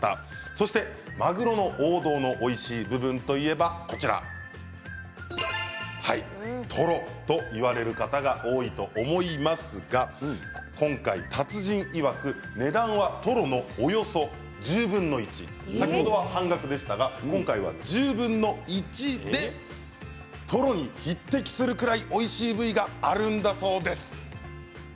そしてマグロの王道のおいしい部分といえばとろといわれる方が多いと思いますが今回、達人いわく値段は、とろのおよそ１０分の１先ほどは半額でしたが今回は１０分の１でとろに匹敵するくらいおいしい部位があるんだそうです。